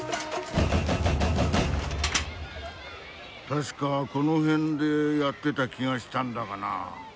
たしかこのへんでやってた気がしたんだがなあ。